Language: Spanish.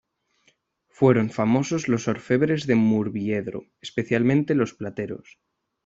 Fueron famosos los orfebres de Murviedro, especialmente los plateros.